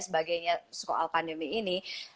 sebagainya sku al pandemi ini